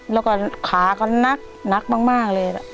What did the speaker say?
แล้วก็ขาก็หนักหนักมากเลยอ่ะ